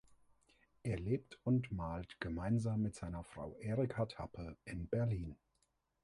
Er lebt und malt gemeinsam mit seiner Frau Erika Tappe in Berlin.